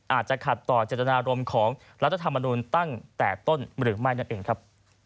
อาจจะขัดต่อเจตนารมณ์ของรัฐธรรมนุนตั้งแต่ต้นหรือไม่นั่นเองครับ